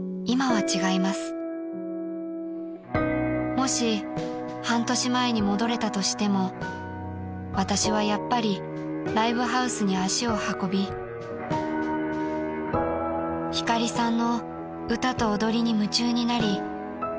［「もし半年前に戻れたとしても私はやっぱりライブハウスに足を運びヒカリさんの歌と踊りに夢中になりサイリウムを全力で振ります」］